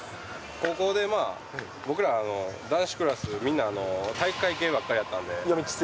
高校で、まあ、僕ら、男子クラスみんな、体育会系ばっかりやったんで。